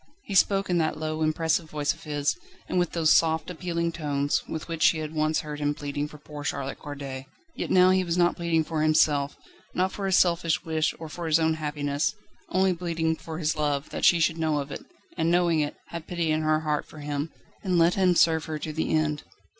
He spoke in that low, impressive voice of his, and with those soft, appealing tones with which she had once heard him pleading for poor Charlotte Corday. Yet now he was not pleading for himself, not for his selfish wish or for his own happiness, only pleading for his love, that she should know of it, and, knowing it, have pity in her heart for him, and let him serve her to the end.